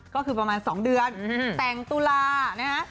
ก็คือประมาณ๒เดือนแต่งตุลานะฮะ